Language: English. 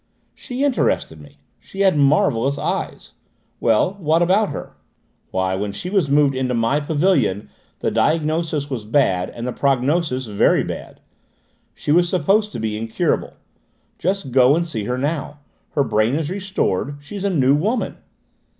"She interested me; she has marvellous eyes. Well, what about her?" "Why, when she was moved into my pavilion the diagnosis was bad and the prognosis very bad: she was supposed to be incurable. Just go and see her now: her brain is restored: she's a new woman."